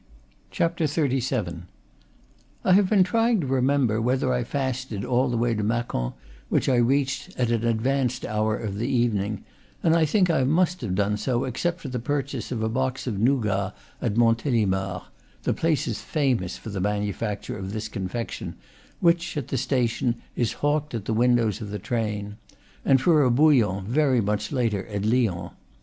XXXVII. I have been trying to remember whether I fasted all the way to Macon, which I reached at an advanced hour of the evening, and think I must have done so except for the purchase of a box of nougat at Monte limart (the place is famous for the manufacture of this confection, which, at the station, is hawked at the windows of the train) and for a bouillon, very much later, at Lyons.